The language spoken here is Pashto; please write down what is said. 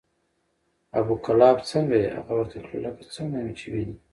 ابو کلاب څنګه یې؟ هغه ورته کړه لکه څنګه مې چې وینې،